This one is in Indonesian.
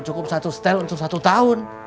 cukup satu stel untuk satu tahun